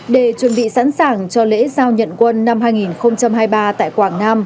để chuẩn bị sẵn sàng cho lễ giao nhận quân năm hai nghìn hai mươi ba tại quảng nam